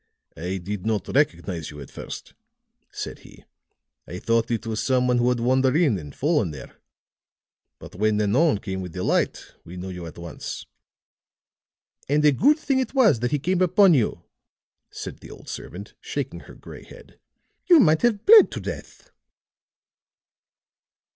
"I did not recognize you at first," said he; "I thought it was some one who had wandered in and fallen there. But when Nanon came with the light, we knew you at once." "And a good thing it was that he came upon you," said the old servant, shaking her gray head. "You might have bled to death."